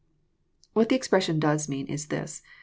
What the expression does mean is this.